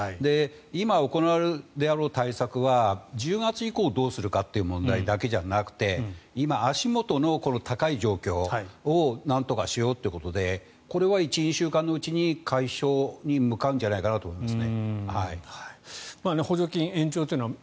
今行うであろう対策は１０月以降どうするかという問題だけじゃなくて今、足元の高い状況をなんとかしようということでこれは１２週間のうちに解消に向かうんじゃないかと思います。